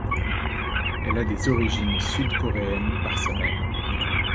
Elle a des origines sud-coréennes par sa mère.